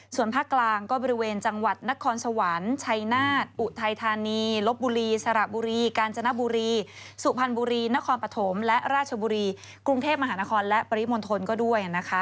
ส่วนภาคกลางก็บริเวณจังหวัดนครสวรรค์ชัยนาฏอุทัยธานีลบบุรีสระบุรีกาญจนบุรีสุพรรณบุรีนครปฐมและราชบุรีกรุงเทพมหานครและปริมณฑลก็ด้วยนะคะ